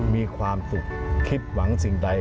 มีความสุขคิดหวังสิ่งใด